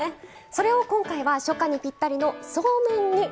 それを今回は初夏にぴったりのそうめんにリメイクします。